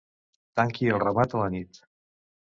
Tanqui el ramat a la nit.